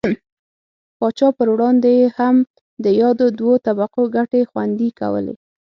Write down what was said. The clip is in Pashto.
پاچا پر وړاندې یې هم د یادو دوو طبقو ګټې خوندي کولې.